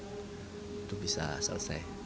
itu bisa selesai